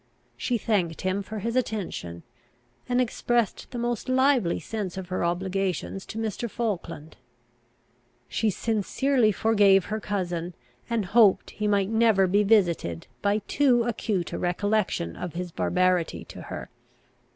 She thanked him for his attention; and expressed the most lively sense of her obligations to Mr. Falkland. She sincerely forgave her cousin, and hoped he might never be visited by too acute a recollection of his barbarity to her.